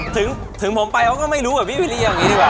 ถึงผมไปเขาก็ไม่รู้แบบพี่วิรีเอาอย่างนี้ดีกว่า